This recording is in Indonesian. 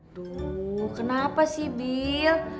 aduh kenapa sih bill